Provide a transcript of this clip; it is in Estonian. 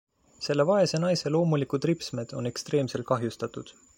Selle vaese naise loomulikud ripsmed on ekstreemselt kahjustatud.